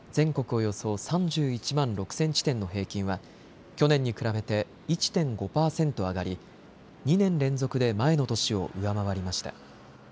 およそ３１万６０００地点の平均は去年に比べて１．５％上がり２年連続で前の年を上回りました。